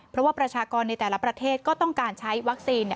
เพราะว่าประชากรในแต่ละประเทศก็ต้องการใช้วัคซีน